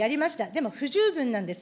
でも、不十分なんです。